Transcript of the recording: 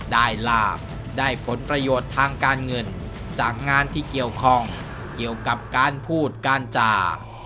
ลาบได้ผลประโยชน์ทางการเงินจากงานที่เกี่ยวข้องเกี่ยวกับการพูดการจา